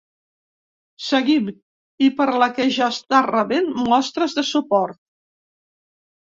Seguim! i per la que ja està rebent mostres de suport.